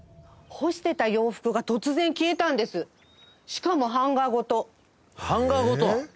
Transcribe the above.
干してた洋服が突然消えたんですしかもハンガーごとハンガーごと？